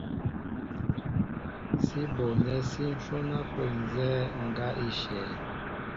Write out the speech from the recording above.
Sí bonɛ́ sí ǹhwɔ́n ápə́ nzɛ́ɛ́ ŋgá í shyɛ̄.